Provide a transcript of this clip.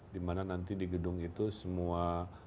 dimana nanti di gedung itu semua